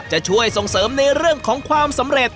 จะช่วยส่งเสริมในเรื่องของความสำเร็จ